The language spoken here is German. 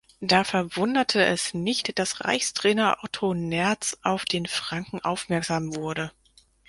Da verwunderte es nicht, dass Reichstrainer Otto Nerz auf den Franken aufmerksam wurde.